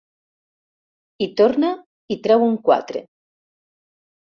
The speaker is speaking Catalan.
Hi torna i treu un quatre.